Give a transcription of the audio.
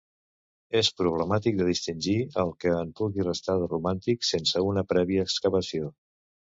És problemàtic de distingir el que en pugui restar de romànic sense una prèvia excavació.